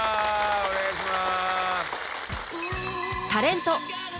お願いします。